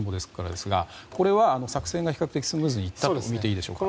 これは作戦が比較的スムーズにいったとみていいでしょうか。